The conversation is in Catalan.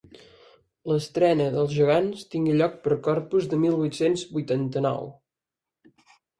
L'estrena dels Gegants tingué lloc per Corpus de mil vuit-cents vuitanta-nou.